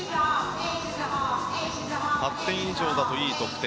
８点以上だといい得点。